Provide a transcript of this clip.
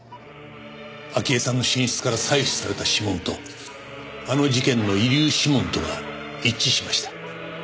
明江さんの寝室から採取された指紋とあの事件の遺留指紋とが一致しました。